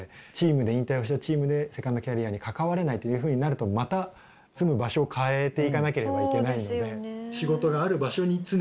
引退をしたチームでセカンドキャリアに関われないというふうになるとまた住む場所を変えていかなければいけないので。